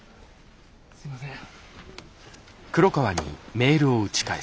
すいません。